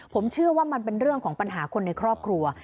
ผมเชื่อว่ามันเป็นเรื่องของปัญหาคนในครอบครัว